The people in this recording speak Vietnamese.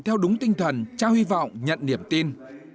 theo đúng tinh thần trao hy vọng nhận niềm tin